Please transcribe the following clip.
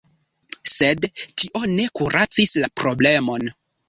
Sed tio ne kuracis la problemon.